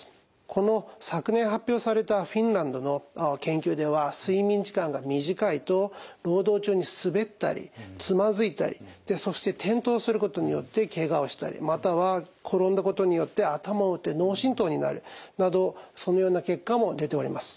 この昨年発表されたフィンランドの研究では睡眠時間が短いと労働中に滑ったりつまずいたりそして転倒することによってケガをしたりまたは転んだことによって頭を打って脳震とうになるなどそのような結果も出ております。